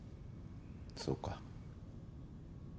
そうか。